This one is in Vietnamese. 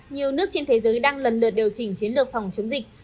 nhiều nước trên thế giới đang lần lượt điều chỉnh chiến lược phòng chống dịch